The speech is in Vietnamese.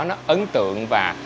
nó ấn tượng và